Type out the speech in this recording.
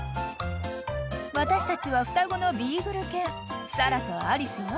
［私たちは双子のビーグル犬サラとアリスよ］